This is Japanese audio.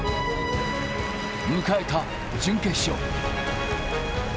迎えた準決勝。